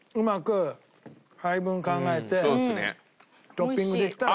トッピングできたら。